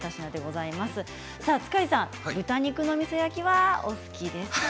塚地さん豚肉のみそ焼きはお好きですか。